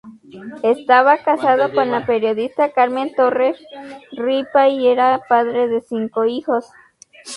Estaba casado con la periodista Carmen Torres Ripa y era padre de cinco hijos.